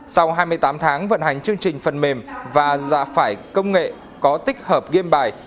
sau hai mươi tám tháng vận hành chương trình phần mềm và giả phải công nghệ có tích hợp game bài